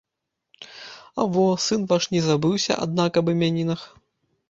А во, сын ваш не забыўся, аднак, аб імянінах?